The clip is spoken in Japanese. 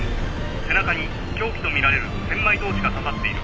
背中に凶器とみられる千枚通しが刺さっている。